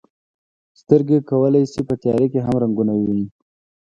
سترګې کولی شي په تیاره کې هم رنګونه وویني.